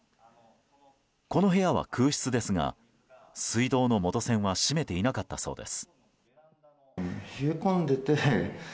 この部屋は空室ですが水道の元栓は閉めていなかったそうです。